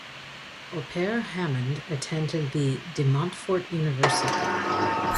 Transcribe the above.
Opare Hammond attended the De Montfort University.